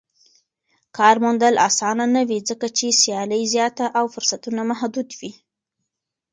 کار موندل اسانه نه وي ځکه چې سيالي زياته او فرصتونه محدود وي.